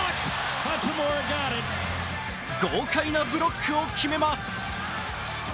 豪快にブロックを決めます。